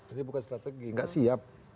ini bukan strategi nggak siap